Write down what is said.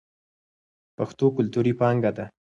پښتو کلتوري پانګه ده.